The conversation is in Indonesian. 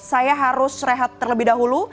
saya harus rehat terlebih dahulu